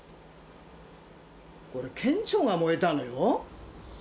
これ県庁が燃えたのよ。